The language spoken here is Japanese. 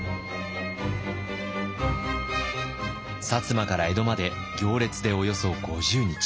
摩から江戸まで行列でおよそ５０日。